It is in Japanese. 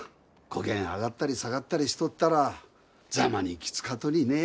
こげん上がったり下がったりしとったらざまにきつかとにね。